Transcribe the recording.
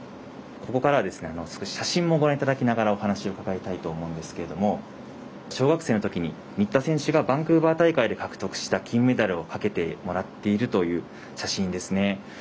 ここからは少し写真もご覧いただきながらお話を伺いたいと思うんですけれど小学生のときに新田選手がバンクーバー大会で獲得した金メダルをかけてもらっている写真ですね。